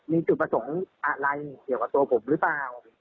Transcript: มีจุดผสมอะไรเกี่ยวกับตัวผมรึเปล่า